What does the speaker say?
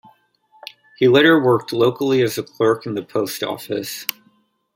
He later worked locally as a clerk in the Post Office.